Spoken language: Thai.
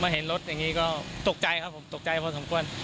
เห็นรถอย่างนี้ก็ตกใจครับผมตกใจพอสมควร